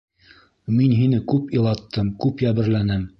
Мин һине күп илаттым, күп йәберләнем.